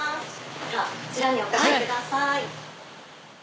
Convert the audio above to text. ではこちらにお掛けください。